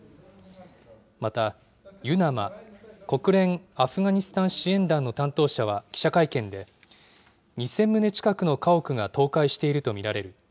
また、ＵＮＡＭＡ・国連アフガニスタン支援団の担当者は記者会見で、２０００棟近くの家屋が倒壊していると見られる。